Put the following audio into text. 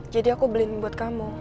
jadi aku beliin buat kamu